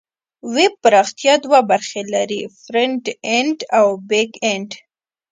ویب پراختیا دوه برخې لري: فرنټ اینډ او بیک اینډ.